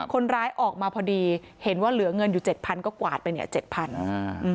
คนร้ายออกมาพอดีเห็นว่าเหลือเงินอยู่เจ็ดพันก็กวาดไปเนี่ยเจ็ดพันอ่า